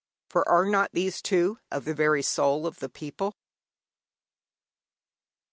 For are not these, too, of the very soul of the people?